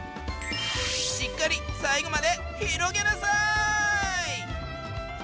しっかり最後まで広げなさい！